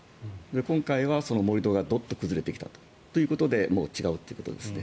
今回はその盛り土がドッと崩れてきたということで違うということですね。